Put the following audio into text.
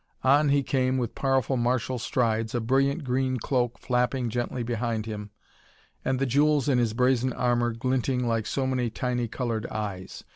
On he came with powerful martial strides, a brilliant green cloak flapping gently behind him and the jewels in his brazen armor glinting like so many tiny colored eyes.